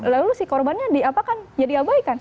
lalu si korbannya diapakan jadi abaikan